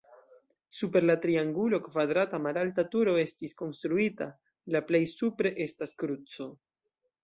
Super la triangulo kvadrata malalta turo estis konstruita, la plej supre estas kruco.